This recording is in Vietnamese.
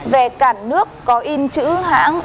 về cản nước có in chữ hãng